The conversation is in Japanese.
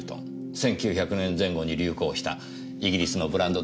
１９００年前後に流行したイギリスのブランドですねぇ。